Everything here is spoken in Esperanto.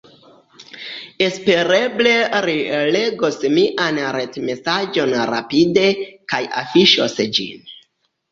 Espereble ri legos mian retmesaĝon rapide, kaj afiŝos ĝin